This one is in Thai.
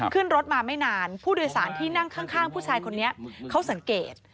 ขึ้นรถมาไม่นานผู้โดยสารที่นั่งข้างผู้ชายคนนี้เขาสังเกต